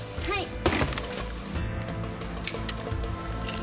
はい。